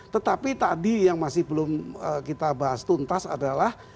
tetapi tadi yang masih belum kita bahas tuntas adalah